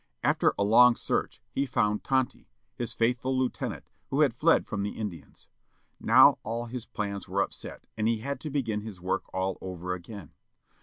After a long search he found Tonty, his faithful lieu tenant, who had fled from the Indians. Now all his plans were upset, and he had to begin his work all over again.